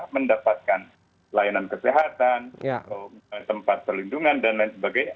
mendapatkan layanan kesehatan tempat perlindungan dan lain sebagainya